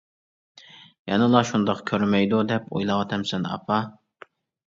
يەنىلا شۇنداق كۆرمەيدۇ دەپ ئويلاۋاتامسەن ئاپا!